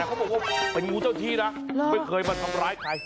เขาบอกว่าเป็นงูเจ้าที่นะไม่เคยมาทำร้ายใคร